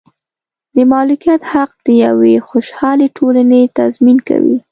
د مالکیت حق د یوې خوشحالې ټولنې تضمین کوي.